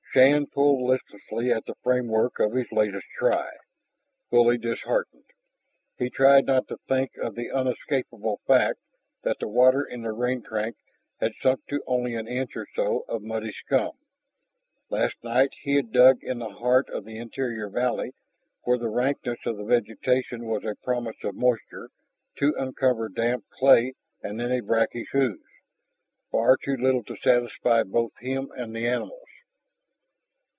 Shann pulled listlessly at the framework of his latest try, fully disheartened. He tried not to think of the unescapable fact that the water in the rain tank had sunk to only an inch or so of muddy scum. Last night he had dug in the heart of the interior valley where the rankness of the vegetation was a promise of moisture, to uncover damp clay and then a brackish ooze. Far too little to satisfy both him and the animals.